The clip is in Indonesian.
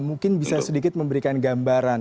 mungkin bisa sedikit memberikan gambaran